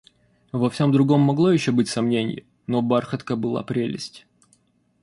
Во всем другом могло еще быть сомненье, но бархатка была прелесть.